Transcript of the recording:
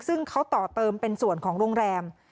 ซึ่งเขาต่อเติมเป็นส่วนของโรงแรม